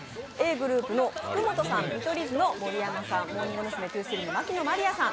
ｇｒｏｕｐの福本さん、見取り図の盛山さん、モーニング娘’２３の牧野真莉愛さん。